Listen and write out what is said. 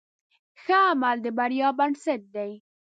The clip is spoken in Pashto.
ښه عمل د بریا بنسټ دی.